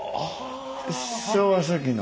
昭和初期の。